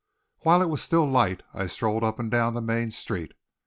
While it was still light, I strolled up and down the main street.